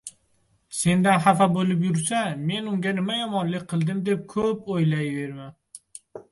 Sendan xafa boʻlib yursa, men unga nima yomonlik qildim deb koʻp oʻylayverma.